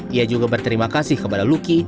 ia juga berterima kasih kepada luki